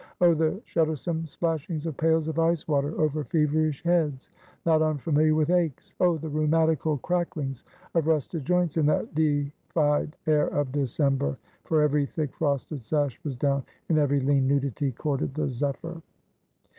Oh, the shuddersome splashings of pails of ice water over feverish heads, not unfamiliar with aches! Oh, the rheumatical cracklings of rusted joints, in that defied air of December! for every thick frosted sash was down, and every lean nudity courted the zephyr!